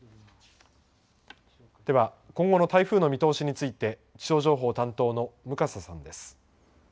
では、今後の台風の見通しについて、気象情報担当の向笠さんです。